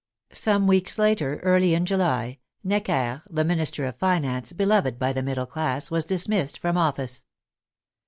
Some weeks later, early in July, Necker, the Minister of Finance, beloved by the middle class, was dismissed from office.